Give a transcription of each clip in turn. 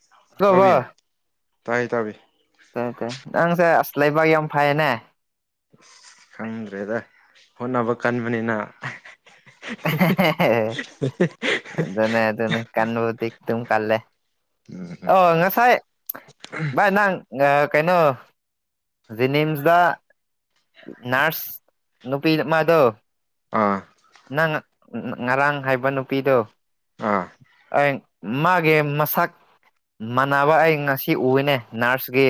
[unintelligible] ꯇꯥꯌꯦ ꯏꯇꯥꯎꯕꯤ ꯅꯪꯁꯦ ꯑꯁ ꯂꯩꯕꯥꯛ ꯌꯥꯝ ꯐꯩꯌꯦꯅꯦ ꯈꯪꯗ꯭ꯔꯦꯗ ꯍꯣꯠꯅꯕ ꯀꯟꯕꯅꯤꯅ ꯑꯗꯨꯅꯦ ꯑꯗꯨꯅꯤ ꯀꯟꯕꯨꯗꯤ ꯑꯗꯨꯝ ꯀꯜꯂꯦ ꯎꯝ ꯎꯝ ꯑꯣ ꯉꯁꯥꯏ ꯕꯥꯢ ꯅꯪ ꯀꯩꯅꯣ ꯖꯅꯤꯝꯁꯗ ꯅꯔꯁ ꯅꯨꯄꯤ ꯃꯥꯗꯣ ꯑꯥ ꯅꯪ ꯉꯔꯥꯡ ꯍꯥꯏꯕ ꯅꯨꯄꯤꯗꯣ ꯑꯥ ꯑꯩ ꯃꯥꯒꯤ ꯃꯁꯛ ꯃꯥꯟꯅꯕ ꯑꯩ ꯉꯁꯤ ꯎꯌꯦꯅꯦ ꯅꯔꯁꯀꯤ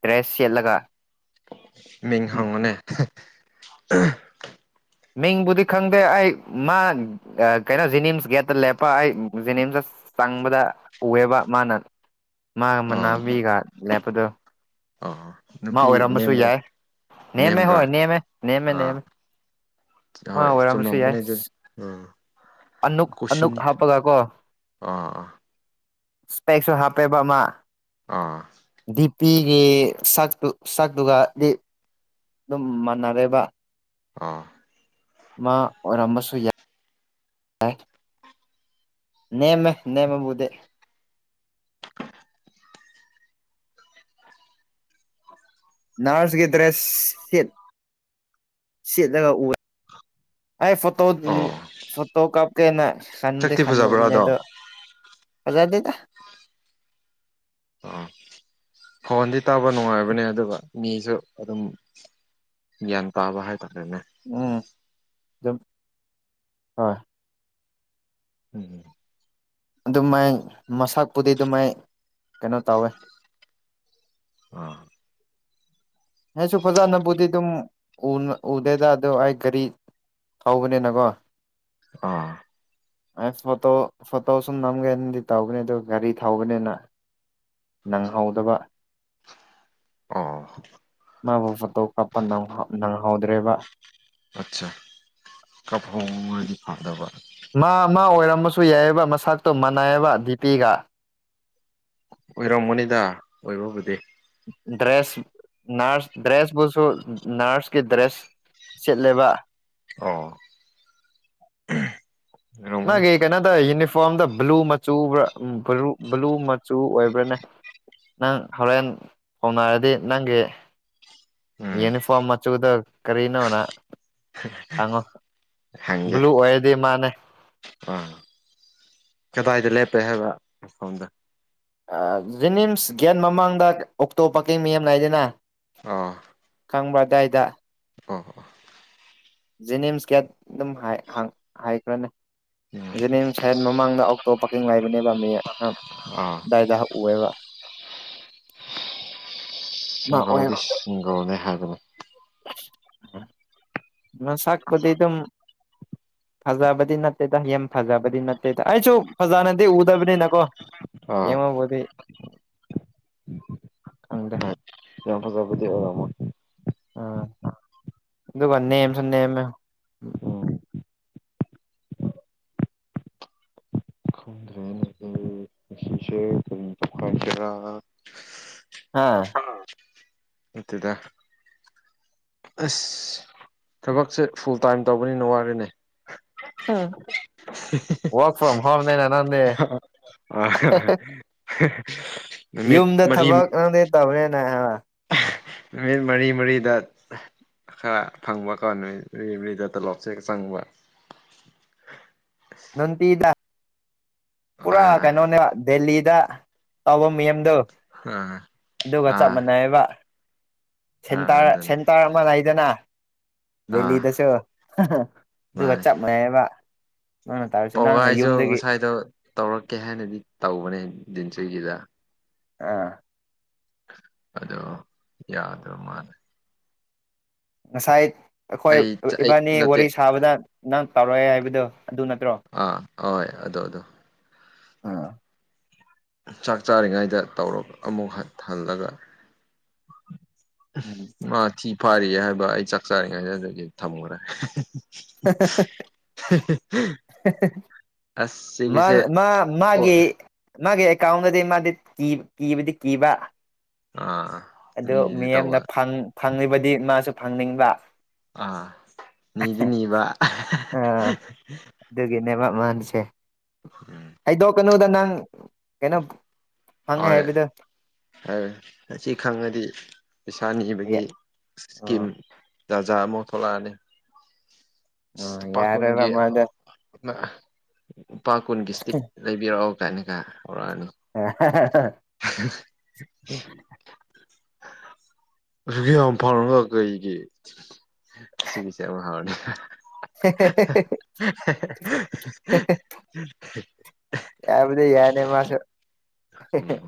ꯗ꯭ꯔꯦꯁ ꯁꯦꯠꯂꯒ ꯃꯤꯡ ꯍꯥꯡꯉꯣꯅꯦ ꯃꯤꯡꯕꯨꯗꯤ ꯈꯪꯗꯦ ꯑꯩ ꯃꯥ ꯀꯩꯅꯣ ꯖꯤꯅꯤꯝꯁ ꯒꯦꯠꯇ ꯂꯦꯞꯄ ꯑꯩ ꯖꯤꯅꯤꯝꯁꯇ ꯆꯪꯕꯗ ꯎꯑꯦꯕ ꯃꯥꯅ ꯃꯥꯒ ꯑꯥ ꯃꯅꯥꯕꯤꯒ ꯂꯦꯞꯄꯗꯣ ꯑꯥ ꯃꯥ ꯅꯨꯄꯤ ꯑꯣꯏꯔꯝꯃꯁꯨ ꯅꯦꯝꯕ꯭ꯔꯥ ꯌꯥꯏ ꯅꯦꯝꯃꯦ ꯅꯦꯝꯕ꯭ꯔꯥ ꯍꯣꯏ ꯅꯦꯝꯃꯦ ꯅꯦꯝꯃꯦ ꯑꯥ ꯅꯦꯝꯃꯦ ꯃꯥ ꯍꯣꯏ ꯑꯣꯔꯝꯁꯨ ꯌꯥꯏ ꯆꯨꯝꯂꯝꯒꯅꯤ ꯑꯗꯨꯗꯤ ꯎꯝ ꯑꯅꯨꯛ ꯑꯅꯨꯛ ꯀꯨꯁꯨꯅꯤ ꯍꯥꯞꯄꯒ ꯀꯣ ꯑꯥ ꯏꯁꯄꯦꯛꯁꯨ ꯍꯥꯄꯦꯕ ꯑꯃ ꯑꯥ ꯗꯤꯄ ꯄꯤꯒꯤ ꯁꯛꯇꯨ ꯁꯛꯇꯨꯒꯗꯤ ꯑꯗꯨꯝ ꯃꯥꯟꯅꯔꯦꯕ ꯑꯣ ꯃꯥꯑꯣꯢꯔꯝ ꯕꯁꯨ ꯌꯥꯢ ꯅꯦꯝꯃꯦ ꯅꯦꯝꯕꯕꯨꯗꯤ ꯅꯔꯁꯀꯤ ꯗ꯭ꯔꯦꯁ ꯁꯦꯠ ꯁꯦꯠꯂꯒ ꯎꯌꯦ ꯑꯩ ꯐꯣꯇꯣ ꯑꯣ ꯐꯣꯇꯣ ꯀꯥꯞꯀꯦꯅ ꯈꯟꯨꯗꯤ ꯁꯛꯇꯤ ꯐꯖꯕ꯭ꯔꯥ ꯈꯜꯂꯨꯕꯅꯦ ꯑꯗꯣ ꯐꯖꯥꯗꯦꯗ ꯑꯥ ꯐꯣꯟꯗꯤ ꯇꯥꯕ ꯅꯨꯡꯉꯥꯏꯕꯅꯦ ꯑꯗꯨꯒ ꯃꯤꯁꯨ ꯑꯗꯨꯝ ꯒ꯭ꯌꯥꯟ ꯇꯥꯕ ꯍꯥꯏꯇꯥꯔꯦ ꯎꯝ ꯑꯗꯨꯝ ꯍꯣꯏ ꯎꯝ ꯑꯗꯨꯃꯥꯏ ꯃꯁꯛꯄꯨꯗꯤ ꯑꯗꯨꯃꯥꯏ ꯀꯩꯅꯣ ꯇꯧꯋꯦ ꯑꯥ ꯑꯩꯁꯨ ꯐꯖꯥꯅꯕꯨꯗꯤ ꯑꯗꯨꯝ ꯎꯅ ꯎꯗꯦꯗꯥꯗꯣ ꯑꯩꯥ ꯒꯔꯤ ꯊꯧꯕꯅꯦꯅꯀꯣ ꯑꯥ ꯑꯩ ꯐꯣꯇꯣ ꯐꯣꯇꯣ ꯁꯨꯝ ꯅꯝꯒꯦꯅꯗꯤ ꯇꯧꯕꯅꯤ ꯑꯗꯨ ꯒꯥꯔꯤ ꯊꯧꯕꯅꯤꯅ ꯅꯪꯍꯧꯗꯕ ꯑꯣ [unintelligible] ꯍꯧꯗ꯭ꯔꯦꯕ ꯑꯆꯥ ꯀꯞ ꯍꯧꯔꯗꯤ ꯐꯒꯗꯕ ꯃꯥ ꯃꯥ ꯑꯣꯏꯔꯝꯕꯁꯨ ꯌꯥꯏꯌꯦꯕ ꯃꯁꯛꯇꯣ ꯃꯥꯟꯅꯥꯏꯌꯦꯕ ꯗꯤꯄꯤꯒ ꯑꯣꯏꯔꯝꯒꯅꯤꯗ ꯑꯣꯏꯕꯕꯨꯗꯤ ꯗ꯭ꯔꯦꯁ ꯅꯔꯁ ꯗ꯭ꯔꯦꯁꯕꯨꯁꯨ ꯅꯔꯁ ꯀꯤ ꯗ꯭ꯔꯦꯁ ꯁꯦꯠꯂꯦꯕ ꯑꯣ ꯑꯣꯏꯔꯝꯒꯅꯤ ꯅꯣꯢꯒꯤ ꯀꯩꯅꯣꯇꯧꯏ ꯌꯨꯅꯤꯐꯣꯝ ꯐꯣꯝꯗꯣ ꯕꯨꯂꯨ ꯃꯆꯨ ꯎꯕꯔꯥ ꯕꯨꯂꯨ ꯃꯆꯨ ꯑꯣꯏꯕ꯭ꯔꯥꯅꯦ ꯅꯪ ꯍꯣꯔꯦꯟ ꯍꯣꯡꯅꯔꯗꯤ ꯅꯪꯒꯤ ꯎꯝ ꯌꯨꯅꯤꯐꯣꯝ ꯃꯆꯨꯗꯣ ꯀꯔꯤꯅꯣꯅ ꯍꯪꯉꯣ ꯍꯪꯒꯦ ꯕꯨꯂꯨ ꯑꯣꯏꯔꯗꯤ ꯃꯥꯟꯅꯦ ꯑꯥ ꯀꯗꯥꯏꯗ ꯂꯦꯞꯄꯦ ꯍꯥꯏꯕ ꯃꯐꯝꯗ ꯑꯥ ꯖꯤꯅꯤꯝꯁ ꯒꯦꯠ ꯃꯃꯥꯡꯗ ꯑꯣꯛꯇꯣ ꯄꯥꯀꯤꯡ ꯃꯤꯌꯥꯝ ꯂꯩꯗꯅ ꯑ ꯈꯪꯕ꯭ꯔꯥ ꯑꯗꯥꯏꯗ ꯑꯣ ꯍꯣ ꯖꯦꯅꯤꯝꯁ ꯒꯦꯠ ꯑꯗꯨꯝ ꯍꯥꯢ ꯍꯥꯏꯈ꯭ꯔꯅꯦ ꯎꯝ ꯖꯦꯅꯤꯝꯁ ꯍꯦꯛ ꯃꯃꯥꯡꯗ ꯑꯣꯛꯇꯣ ꯄꯥꯔꯀꯤꯡ ꯂꯩꯕꯅꯦꯕ ꯃꯤ ꯑꯥ ꯗꯥꯏꯗꯥ ꯎꯑꯦꯕ ꯃꯥ ꯁꯤꯡꯒꯜꯗꯤ ꯑꯣꯏꯕ ꯁꯤꯡꯒꯜꯅꯦ ꯍꯥꯏꯕꯅꯦ ꯃꯁꯛꯄꯨꯗꯤ ꯗꯨꯝ ꯐꯖꯥꯕꯗꯤ ꯅꯠꯇꯦꯗ ꯌꯥꯝ ꯐꯖꯥꯕꯗꯤ ꯅꯠꯇꯦꯗ ꯑꯩꯁꯨ ꯐꯖꯥꯅꯗꯤ ꯎꯗꯕꯅꯤꯅꯀꯣ ꯑꯥ ꯌꯦꯡꯉꯕꯨꯗꯤ ꯈꯪꯗꯦ ꯍꯣꯏ ꯌꯥꯝ ꯐꯖꯕꯗꯤ ꯑꯣꯢꯔꯝꯃꯣꯢ ꯑ ꯑꯗꯨꯒ ꯅꯦꯝꯁꯨ ꯅꯦꯝꯃꯦ ꯎꯝ ꯑꯩꯁꯨ ꯗꯨꯝ ꯍꯥꯢꯁꯤꯔꯥ ꯍꯥ ꯅꯠꯇꯦꯗ ꯑꯁ ꯊꯕꯛꯁꯦ ꯐꯨꯜ ꯇꯥꯏꯝ ꯇꯧꯕꯅꯤꯅ ꯋꯥꯔꯦꯅꯦ ꯑꯥ [unintelligible] ꯅꯪꯗꯤ ꯑ ꯍ ꯍ ꯌꯨꯝꯗ ꯊꯕꯛ ꯅꯪꯗꯤ ꯇꯧꯔꯦꯅꯦ ꯍ ꯅꯨꯃꯤꯠ ꯃꯔꯤ ꯃꯔꯤꯗ ꯈꯔ ꯐꯪꯕ ꯀꯣ ꯅꯣꯢ ꯅꯨꯃꯤꯠ ꯃꯔꯤꯗ ꯇꯣꯂꯣꯞꯁꯦ ꯆꯪꯕ ꯅꯝꯄꯤꯗ ꯄꯨꯔꯥ ꯑꯥ ꯀꯩꯅꯣꯅꯦ ꯗꯦꯜꯂꯤꯗ ꯇꯧꯕ ꯃꯤꯌꯦꯝꯗꯣ ꯑꯥ ꯑꯗꯨꯒ ꯆꯞ ꯑꯥ ꯃꯥꯟꯅꯩꯌꯦꯕ ꯑꯥ ꯁꯦꯟꯇꯔ ꯑꯗꯨꯅꯦ ꯁꯦꯟꯇꯔ ꯑꯃ ꯂꯩꯗꯅ ꯑꯥ ꯗꯦꯜꯂꯤꯗꯁꯨ ꯍ ꯍꯥ ꯑꯗꯨꯒ ꯃꯥꯅꯦ ꯆꯞ ꯃꯥꯟꯅꯩꯕ ꯅꯪꯅ ꯇꯧꯔꯤꯁꯦ ꯅꯪꯅ ꯄꯧꯒꯥꯏꯁꯨ ꯌꯨꯝꯗꯒꯤ ꯉꯁꯥꯏꯗꯣ ꯇꯧꯔꯛꯀꯦ ꯍꯥꯏꯅꯗꯤ ꯇꯧꯕꯅꯦ ꯗꯤꯟꯆꯨꯢꯒꯤꯗ ꯑꯥ ꯑꯗꯣ ꯌꯥꯗꯕ ꯃꯥꯜꯂꯦ ꯉꯁꯥꯏ ꯑꯩꯈꯣꯏ ꯑꯩ ꯑꯩ ꯏꯕꯥꯅꯤ ꯅꯠꯇꯦ ꯋꯥꯔꯤ ꯁꯥꯕꯗ ꯅꯪ ꯇꯧꯔꯛꯑꯦ ꯍꯥꯏꯕꯗꯣ ꯑꯗꯨ ꯅꯠꯇ꯭ꯔꯣ ꯑꯥ ꯍꯣꯏ ꯑꯗꯨ ꯑꯗꯣ ꯑꯥ ꯆꯥꯛ ꯆꯥꯔꯤꯉꯩꯗ ꯇꯧꯔ ꯑꯃꯨꯛ ꯍ ꯍꯜꯂꯒ ꯎꯝ ꯃꯥ ꯊꯤ ꯐꯥꯔꯤꯌꯦ ꯍꯥꯏꯕ ꯑꯩ ꯆꯥꯛ ꯆꯥꯔꯤꯉꯩ ꯑꯗꯨꯗꯒꯤ ꯊꯝꯈ꯭ꯔꯦ ꯍꯍꯍ ꯑꯁ ꯃꯥ ꯁꯤꯒꯤꯁꯦ ꯃꯥ ꯑꯣ ꯃꯥꯒꯤ ꯃꯥꯒꯤ ꯑꯦꯀꯥꯎꯟꯗꯗꯤ ꯃꯥꯗꯤ ꯀꯤ ꯀꯤꯕꯗꯤ ꯀꯤꯕ ꯑꯥ ꯑꯗꯨ ꯃꯤꯒꯤꯗꯤ ꯃꯤꯌꯦꯝꯅ ꯇꯧꯕ ꯐꯪ ꯐꯪꯉꯤꯕꯗꯤ ꯃꯥꯁꯨ ꯐꯪꯅꯤꯡꯕ ꯑ ꯅꯤꯗꯤ ꯅꯤꯕ ꯃꯥꯒꯤꯁꯦ ꯎꯝ ꯍꯥꯏꯗꯣꯛꯀꯅꯨꯗ ꯅꯪ ꯀꯩꯅꯣ ꯐꯪꯉꯦ ꯍꯥꯏꯕꯗꯣ ꯍꯥꯏ ꯑꯁꯤ ꯈꯪꯉꯗꯤ ꯄꯩꯁꯥ ꯅꯤꯕꯒꯤ ꯏꯁꯀꯤꯝ ꯑꯣ ꯖꯥꯖꯥꯠ ꯑꯃꯨꯛ ꯊꯣꯛꯂꯛꯑꯅꯤ ꯑꯣ ꯂꯨꯄ ꯌꯥꯔꯣꯏꯕ ꯀꯨꯟꯒꯤ ꯃꯥꯗꯣ ꯂꯨꯄꯥ ꯀꯨꯟꯒꯤ ꯏꯁꯇꯤꯠ ꯂꯩꯕꯤꯔꯛꯑꯣ ꯀꯥꯢꯅꯒ ꯍꯍꯍ [inaudible] [unintelligible] ꯌꯥꯝ ꯐꯉꯒ ꯀꯩꯒꯤ ꯁꯤꯒꯤꯁꯦ ꯌꯥꯝ ꯍꯥꯎꯔꯅꯤ [unintelligible] ꯌꯥꯕꯗꯤ ꯌꯥꯅꯦ ꯃꯥꯁꯨ ꯎꯝ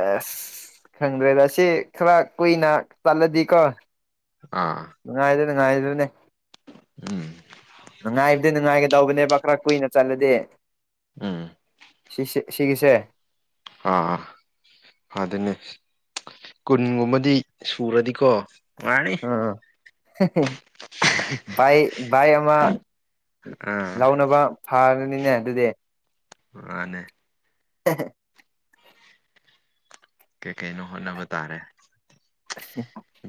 ꯑꯁ ꯈꯪꯗ꯭ꯔꯦꯗ ꯁꯤ ꯈꯔ ꯀꯨꯏꯅ ꯆꯠꯂꯗꯤꯀꯣ ꯑꯥ [unintelligible] ꯎꯝ ꯅꯨꯡꯉꯥꯏꯗꯤ ꯅꯨꯡꯉꯥꯏꯒꯗꯧꯕꯅꯦꯕ ꯈꯔ ꯀꯨꯏꯅ ꯆꯠꯂꯗꯤ ꯎꯝ ꯁꯤ ꯁꯤ ꯁꯤꯒꯤꯁꯦ ꯑꯥ ꯑꯗꯨꯅꯦ ꯀꯨꯟꯒꯨꯝꯕꯗꯤ ꯁꯨꯔꯗꯤꯀꯣ ꯅꯨꯡꯉꯥꯏꯔꯅꯤ ꯑꯥ ꯑ ꯍꯦ ꯍꯦ ꯕꯥꯏ ꯕꯥꯏꯛ ꯑꯃ ꯑꯥ ꯂꯧꯅꯕ ꯐꯅꯤ ꯅꯤꯅꯦ ꯑꯗꯨꯗꯤ ꯃꯥꯅꯦ ꯍꯦꯍꯦ ꯀꯩ ꯀꯩꯅꯣ ꯍꯣꯠꯅꯕ ꯇꯥꯔꯦ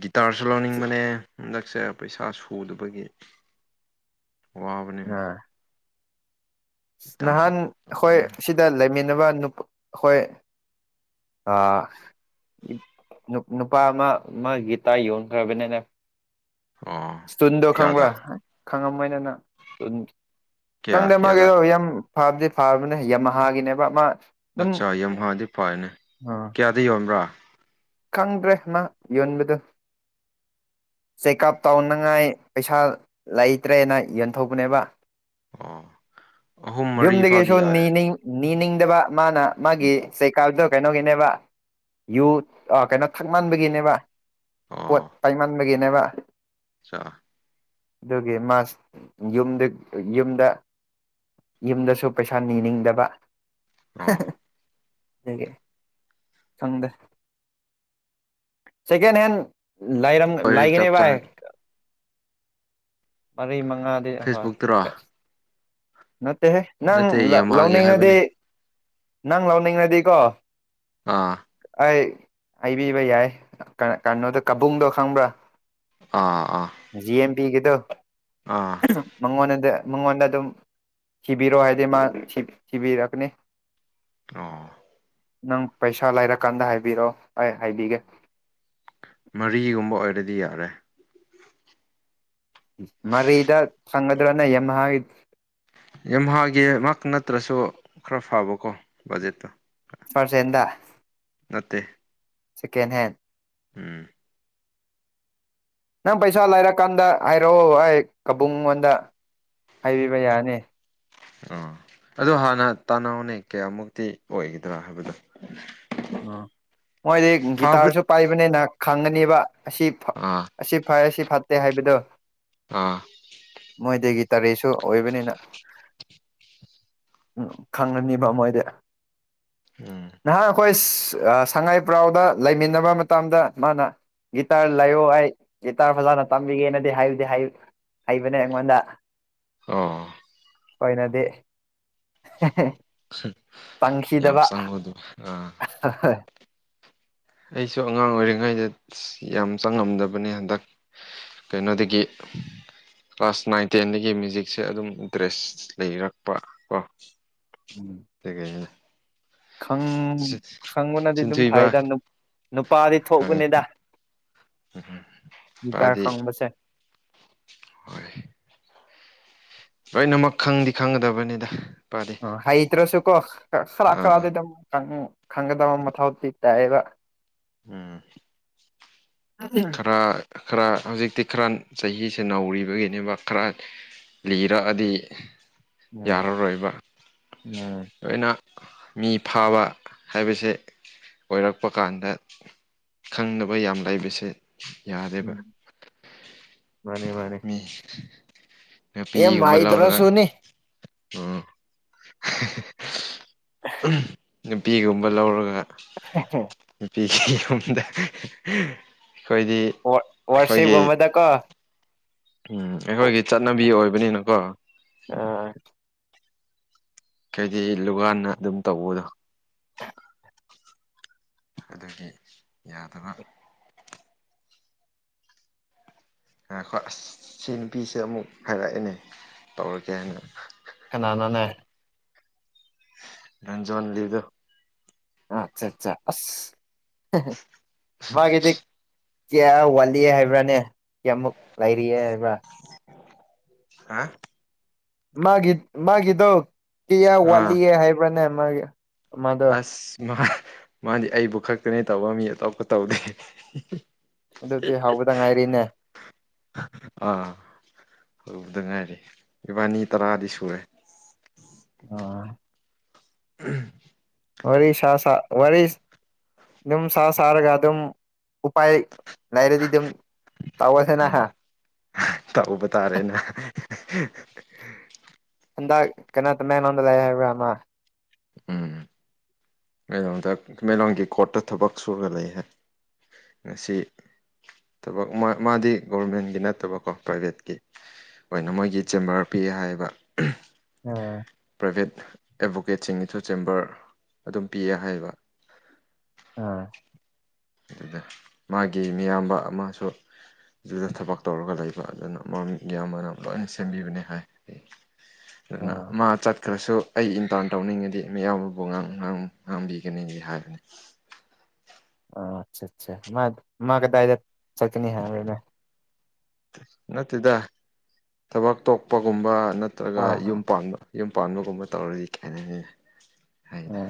ꯒꯤꯇꯥꯔ ꯨ ꯁꯨ ꯂꯧꯅꯤꯡꯕꯅꯦ ꯍꯟꯗꯛꯁꯦ ꯄꯩꯁꯥ ꯁꯨꯗꯕꯒꯤ ꯋꯥꯕꯅꯦ ꯑꯥ ꯒꯤꯇꯥꯔꯁꯨ ꯅꯍꯥꯟ ꯍꯈꯣꯏ ꯇꯧꯕꯅꯤꯅ ꯑꯁꯤꯗ ꯂꯩꯃꯤꯟꯅꯕ ꯅꯨꯞ ꯍꯣꯏ ꯑꯥ ꯏꯄ ꯅꯨ ꯅꯨꯄꯥ ꯑꯃ ꯃꯥ ꯒꯤꯇꯥ ꯌꯣꯟꯈ꯭ꯔꯕꯅꯦꯅ ꯑꯣ ꯁꯇꯨꯟꯗꯣ ꯈꯪꯕ꯭ꯔꯥ ꯀꯌꯥꯗ ꯈꯪꯉꯝꯃꯣꯏꯅꯦꯅ ꯎꯟ ꯀꯌꯥ ꯈꯪꯗꯦ ꯃꯥ ꯀꯌꯥꯗ ꯌꯥꯝ ꯐꯕꯗꯤ ꯐꯥꯕꯅꯦ ꯌꯥꯝꯍꯥꯥꯒꯤꯅꯦꯕ ꯃ ꯑꯠꯆꯥ ꯌꯥꯝꯍꯥꯗꯤ ꯐꯥꯏꯅꯦ ꯑ ꯀꯌꯥꯗ ꯌꯣꯟꯕ꯭ꯔꯥ ꯈꯪꯗ꯭ꯔꯦ ꯃꯥ ꯌꯣꯟꯕꯗꯨ ꯆꯦꯛꯀꯞ ꯇꯧꯅꯉꯥꯏ ꯄꯩꯁꯥ ꯂꯩꯇ꯭ꯔꯦꯅ ꯌꯦꯟꯊꯣꯛꯄꯅꯦꯕ ꯑꯣ ꯑꯍꯨꯝ ꯃꯔꯤ ꯌꯨꯝꯗꯒꯤꯁꯨ ꯐꯥꯎꯗꯤ ꯌꯥꯏꯌꯦ ꯅꯤꯅꯤꯡ ꯅꯤꯅꯤꯡꯗꯕ ꯃꯥꯅ ꯃꯥꯒꯤ ꯆꯦꯀꯥꯜꯗꯣ ꯀꯩꯅꯣꯒꯤꯅꯦꯕ ꯌꯨ ꯑ ꯀꯩꯅꯣ ꯊꯛꯃꯟꯕꯒꯤꯅꯦꯕ ꯄꯣꯠ ꯄꯥꯏꯃꯟꯕꯒꯤꯅꯦꯕ ꯑꯆꯥ ꯑꯗꯨꯒꯤ ꯃꯥꯁ ꯌꯨꯝꯗ ꯌꯨꯝꯗ ꯌꯨꯝꯗꯁꯨ ꯄꯩꯁꯥ ꯅꯤꯅꯤꯡꯗꯕ ꯑꯣ ꯗꯨꯒꯤ ꯈꯪꯗꯦ ꯁꯦꯀꯦꯟ ꯍꯦꯟ ꯂꯩꯔꯝ ꯑꯣꯏꯔꯗꯤ ꯂꯥꯢꯒꯅꯤ ꯆꯞ ꯚꯥꯏ ꯆꯥꯔꯅꯤ ꯃꯔꯤ ꯃꯉꯥꯗꯤ ꯍꯣ ꯐꯦꯁꯕꯨꯛꯇꯔꯣ ꯀ ꯅꯠꯇꯦꯍꯦ ꯅꯠꯇꯦ ꯅꯪ ꯂ ꯌꯝꯍꯥꯒꯤ ꯂꯧꯅꯤꯡꯉꯗꯤ ꯍꯥꯏꯕꯅꯤ ꯅꯪ ꯂꯧꯅꯤꯡꯉꯗꯤꯀꯣ ꯑꯥ ꯑꯩ ꯍꯩꯕꯤꯕ ꯌꯥꯏ ꯀ ꯀꯅꯣꯗꯣ ꯀꯕꯨꯡꯗꯣ ꯈꯪꯕ꯭ꯔꯥ ꯑꯥ ꯑꯥ ꯕꯤꯒꯤꯗꯣ ꯑꯥ ꯃꯉꯣꯟꯅꯗ ꯃꯉꯣꯟꯗ ꯑꯗꯨꯝ ꯊꯤꯕꯤꯔꯣ ꯍꯥꯏꯗꯤ ꯃꯥ ꯊꯤ ꯊꯤꯕꯤꯔꯛꯀꯅꯤ ꯑꯣ ꯅꯪ ꯄꯩꯁꯥ ꯂꯩꯔꯀꯥꯟꯗ ꯍꯥꯏꯕꯤꯔꯣ ꯑꯩ ꯍꯥꯏꯕꯤꯒꯦ ꯃꯔꯤꯒꯨꯝꯕ ꯑꯣꯏꯔꯗꯤ ꯌꯥꯔꯦ ꯃꯔꯤꯗ ꯆꯪꯒꯗ꯭ꯔꯅꯦ ꯌꯝꯍꯥꯒꯤ ꯌꯝꯍꯥꯒꯤꯃꯛ ꯅꯠꯇ꯭ꯔꯁꯨ ꯈꯔ ꯐꯕꯀꯣ ꯕꯖꯦꯠꯇꯣ ꯐꯔꯁ ꯍꯦꯟꯗ ꯅꯠꯇꯦ ꯁꯦꯀꯦꯟ ꯍꯦꯟ ꯎꯝ ꯅꯪ ꯄꯩꯁꯥ ꯂꯩꯔꯀꯥꯟꯗ ꯍꯥꯏꯔꯛꯑꯣ ꯑꯩ ꯀꯥꯕꯨꯡꯉꯣꯟꯗ ꯍꯥꯏꯕꯤꯕ ꯌꯥꯅꯤ ꯑ ꯑꯗꯨ ꯍꯥꯟꯅ ꯇꯅꯥꯎꯅꯦ ꯀꯌꯥꯃꯨꯛꯇꯤ ꯑꯣꯏꯒꯗ꯭ꯔꯥ ꯍꯥꯏꯕꯗꯣ ꯎꯝ ꯃꯣꯏꯗꯤ ꯐꯥꯕ ꯒꯤꯇꯥꯔꯁꯨ ꯄꯥꯏꯕꯅꯤꯅ ꯈꯪꯒꯅꯤꯕ ꯑꯁꯤ ꯐ ꯑꯥ ꯑꯁꯤ ꯐꯩ ꯑꯁꯤ ꯐꯠꯇꯦ ꯍꯥꯏꯕꯗꯣ ꯑꯥ ꯃꯣꯏꯗꯒꯤ ꯇꯔꯦꯠꯁꯨ ꯑꯣꯏꯕꯅꯤꯅ ꯈꯪꯒꯅꯤꯕ ꯃꯣꯏꯗꯤ ꯎꯝ ꯑꯣꯁ ꯁꯉꯥꯏꯄ꯭ꯔꯥꯎꯗ ꯂꯩꯃꯤꯟꯅꯕ ꯃꯇꯝꯗ ꯃꯥꯅ ꯒꯤꯇꯥꯔ ꯂꯩꯌꯣ ꯑꯩ ꯒꯤꯇꯥꯔ ꯐꯖꯅ ꯇꯝꯕꯤꯒꯦꯅꯗꯤ ꯍꯥꯢꯕꯗꯤ ꯍꯥꯏ ꯍꯩꯕꯅꯦ ꯑꯩꯉꯣꯟꯗ ꯑꯣ ꯈꯣꯢꯅꯗꯤ ꯌꯥꯝ ꯆꯪꯕꯗꯣ ꯑꯥ [inaudible] ꯑꯩꯁꯨ ꯑꯉꯥꯡ ꯑꯣꯏꯔꯤꯉꯩꯗ ꯌꯥꯝ ꯆꯪꯉꯝꯗꯕꯅꯦ ꯍꯟꯗꯛ ꯀꯩꯅꯣꯗꯒꯤ [inaudible] ꯀ꯭ꯂꯥꯁ ꯅꯥꯏꯟꯇꯦꯟꯗꯒꯤ ꯃ꯭ꯌꯨꯖꯤꯛꯁꯦ ꯑꯗꯨꯝ ꯏꯟꯇꯔꯦꯁ ꯂꯩꯔꯛ ꯄꯥ ꯀꯣ UNINTELLIGIBLE ꯈꯪ ꯈꯪꯕꯅꯗꯤ ꯑꯗꯨꯝ ꯁꯤꯟꯊꯣꯏꯕ ꯐꯩꯗ ꯅꯨꯞ ꯅꯨꯄꯥꯗꯤ ꯊꯣꯛꯄꯅꯤꯗ ꯥꯒꯤꯇꯔ ꯈꯣꯡꯕꯁꯦ ꯍꯣꯌ ꯂꯣꯏꯅꯃꯛ ꯈꯪꯗ ꯈꯪꯒꯗꯕꯅꯤꯗ ꯏꯄꯥꯗꯤ ꯑꯣ ꯍꯩꯇ꯭ꯔꯁ ꯀꯣ ꯈꯔ- ꯑꯥ ꯈꯔꯗꯤ ꯑꯗꯨꯝ ꯇꯝ ꯈꯪꯒꯗꯕ ꯃꯊꯧ ꯗꯤ ꯇꯥꯢꯑꯦꯕ ꯎꯪꯝ ꯈꯔꯥ ꯈꯔꯥ ꯈꯔꯥ ꯍꯧꯖꯤꯛꯇꯤ ꯈꯔ ꯆꯍꯤꯁꯦ ꯅꯧꯔꯤꯕꯩꯅꯦꯕ ꯈꯔ ꯂꯤꯔꯛ ꯑꯗꯤ ꯎꯝ ꯌꯥꯔꯔꯣꯏꯕ ꯎꯝ ꯂꯣꯏꯅ ꯃꯤ ꯐꯥꯕ ꯍꯥꯏꯕꯁꯦ ꯑꯣꯏꯔꯛꯄ ꯀꯥꯟꯗ ꯈꯪꯅꯥꯕ ꯌꯥ ꯂꯩꯕꯁꯦ ꯌꯥꯔꯦꯕ ꯎꯝ ꯃꯥꯅꯦ ꯃꯥꯅꯦ ꯃꯤ ꯌꯥꯝ ꯅꯨꯄꯤꯒꯨꯝꯕꯂꯧꯔꯒ ꯍꯩꯇ꯭ꯔꯁꯨꯅꯤ ꯑꯣꯡ ꯅꯨꯄꯤꯒꯨꯝꯕ ꯂꯧꯔꯒ INAUDIBLE UNINTELLIGIBLE ꯋꯣꯔꯠ ꯋꯥꯔꯁꯤꯞ ꯒꯨꯝꯕꯗ ꯀꯣ ꯎꯪ ꯑꯩꯈꯣꯏꯒꯤ ꯆꯠꯅꯕꯤ ꯑꯣꯏꯕꯅꯤꯅꯀꯣ ꯑꯥꯑꯪ ꯀꯩꯗꯤ ꯂꯨꯋꯥꯟꯅꯥ ꯑꯗꯨꯝ ꯇꯧꯕꯗꯣ ꯑꯗꯨꯒꯤ ꯌꯥꯗꯕ꯭ꯔꯥ ꯉꯥꯈꯣꯍꯦ ꯑꯥꯁ ꯁꯤ ꯅꯨꯄꯤꯁꯦ ꯑꯃꯨꯛ ꯍꯥꯏꯔꯛꯑꯦꯅꯦ ꯇꯧꯔꯒꯦ ꯍꯥꯏꯅ ꯀꯅꯥꯅꯣꯅꯦ UNINTELLIGIBLE ꯑꯆꯥ ꯑꯆꯥ ꯆꯥ ꯑꯥꯁ ꯍꯦ INAUDIBLE ꯀꯌꯥ ꯋꯥꯠꯂꯤ ꯍꯥꯏꯕ꯭ꯔꯥꯅꯦ ꯀꯌꯥꯃꯨꯛ ꯂꯩꯔꯤ ꯍꯥꯏꯕ ꯍꯥꯑꯥ ꯃꯥꯒꯤ ꯃꯥꯒꯤꯗꯣ ꯄ꯭ꯌꯥꯔ ꯋꯥꯠꯂꯤ ꯍꯥꯏꯕꯅꯦ ꯃꯥꯒꯤ ꯃꯥꯗꯣ ꯑꯥꯁ ꯃꯥ ꯃꯥꯗꯤ ꯑꯩꯕꯨ ꯈꯛꯇꯅꯦꯇꯧꯕ ꯃꯤ ꯑꯇꯣꯞꯄ ꯇꯧꯗꯦ ꯑꯗꯨꯗꯤ ꯍꯧꯕꯗ ꯉꯥꯏꯔꯤꯅꯦ ꯑꯥ ꯍꯧꯕꯗ ꯉꯥꯏꯔꯤ ꯏꯕꯥꯅꯤ ꯇꯔꯥꯗꯤ ꯁꯨꯔꯦ ꯑꯣꯑꯥ INAUDIBLE ꯋꯥꯔꯤ ꯁꯥ ꯁꯥꯔ ꯋꯥꯔꯤ ꯗꯨꯝ ꯁꯥ ꯁꯥꯔꯒ ꯑꯗꯨꯝ ꯎꯄꯥꯥꯏ ꯂꯩꯔꯗꯤ ꯑꯗꯨꯝ ꯇꯧꯋꯦꯗꯅꯥ ꯑ ꯇꯧꯕ ꯇꯥꯔꯦꯅ ꯍꯟꯗꯛ ꯀꯅꯥ ꯀꯅꯥꯅꯣ ꯅꯣꯗ ꯂꯩ ꯍꯥꯏꯕ꯭ꯔꯃꯥ ꯎꯪꯝ ꯃꯩꯔꯣꯡꯗ ꯆꯤꯡꯃꯩꯔꯣꯡꯒꯤ ꯀꯣꯔꯠꯇ ꯊꯕꯛ ꯁꯨꯔ ꯂꯩꯍꯦ ꯉꯁꯤ ꯊꯕꯛ ꯃꯥ ꯃꯥꯗꯤ ꯒꯣꯔꯚꯃꯦꯟꯒꯤ ꯅꯠꯇꯕꯀꯣ ꯄ꯭ꯔꯥꯏꯚꯦꯠꯀꯤ ꯈꯣꯏꯅ ꯃꯣꯏꯒꯤ ꯆꯦꯝꯕꯔ ꯄꯤ ꯍꯥꯏꯕ ꯎꯪꯑꯥ ꯄ꯭ꯔꯥꯏꯚꯦꯠ ꯑꯦꯗꯚꯣꯀꯦꯠꯁꯤꯡꯒꯤꯁꯨ ꯆꯦꯝꯕꯔ ꯑꯗꯨꯝ ꯄꯤꯌꯦ ꯍꯥꯏꯌꯦꯕ ꯑꯥ ꯑꯗꯨꯗ ꯃꯥꯒꯤ ꯃꯤꯌꯥꯝꯕ ꯑꯃꯁꯨ ꯑꯗꯨꯗ ꯊꯕꯛ ꯇꯧꯔꯒ ꯂꯩꯕ ꯑꯗꯨꯅ ꯃꯃꯤꯡ ꯌꯥꯝꯌꯥꯝꯕꯅ ꯂꯣꯏꯅ ꯁꯦꯝꯕꯤꯕꯅꯤ ꯍꯥꯏ ꯑꯩ ꯑꯥ ꯃꯥ ꯆꯠ ꯈꯔꯁꯨ ꯑꯩ ꯏꯟꯇꯥꯔꯟ ꯇꯧꯅꯤꯡꯉꯗꯤ ꯃꯤꯌꯥꯝꯕꯕꯨ ꯉꯥꯡ ꯉꯥꯡꯕꯤꯒꯅꯤꯒꯤ ꯍꯥꯏꯕꯅꯤ [inaudible] ꯑ ꯆꯥ ꯆꯥ ꯃꯥ ꯃꯥ ꯀꯗꯥꯗ ꯆꯇꯀꯅꯤ ꯍꯥꯏ ꯅꯠꯇꯦꯗ ꯊꯕꯛ ꯇꯣꯛꯄꯒꯨꯝꯕ ꯅꯠꯇ꯭ꯔꯒ ꯑꯥ ꯑꯥ ꯌꯨꯝ ꯄꯥꯟꯕ ꯌꯨꯝ ꯄꯥꯟꯕꯒꯨꯝꯕ ꯇꯧꯔꯗꯤ ꯀꯥꯏꯅꯅꯤ ꯍꯥꯏꯗ ꯑꯥ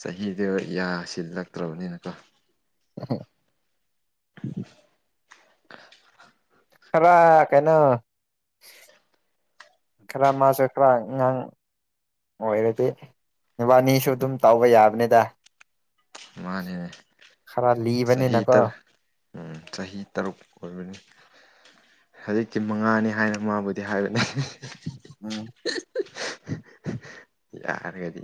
ꯆꯍꯤꯗꯨ ꯌꯥ ꯁꯤꯜꯂꯛꯇ꯭ꯔꯕꯅꯤꯅꯀꯣ ꯍ [unintelligible] ꯈꯔ ꯀꯩꯅꯣ ꯈꯔꯃꯁꯨ ꯈꯔ ꯉꯥꯡ ꯑꯣꯏꯔꯗꯤ ꯅꯨꯕꯥꯅꯤꯁꯨ ꯑꯗꯨꯝ ꯇꯥꯎꯕ ꯌꯥꯕꯅꯤꯗ ꯃꯥꯅꯦꯅꯦ ꯈꯔ ꯆꯍꯤ ꯂꯤꯕꯅꯤꯅꯀꯣ ꯇꯔ ꯎꯝ ꯆꯍꯤ ꯇꯔꯨꯛ ꯑꯣꯏꯕꯅꯤ ꯍꯧꯖꯤꯛꯇꯤ ꯃꯉꯥꯅꯤ ꯍꯥꯏꯅ ꯃꯥꯕꯨꯗꯤ ꯍꯥꯏꯕꯅꯤ ꯎꯝ ꯌꯥꯔꯒꯗꯤ